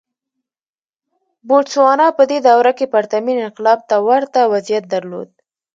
بوتسوانا په دې دوره کې پرتمین انقلاب ته ورته وضعیت درلود.